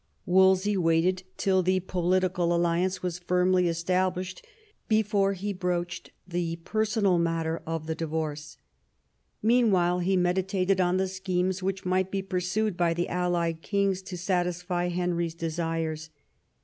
Wolsey waited till the political alliance was firmly es tablished before he broached the personal matter of the divorce. Meanwhile he meditated on the schemes which might be pursued by the allied kings to satisfy Henry's desires.